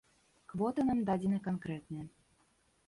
Квоты нам дадзены канкрэтныя.